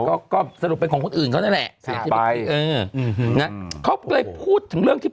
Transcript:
ก็ก็สรุปเป็นของคนอื่นเขานั่นแหละอย่างที่บอกนะเขาก็เลยพูดถึงเรื่องที่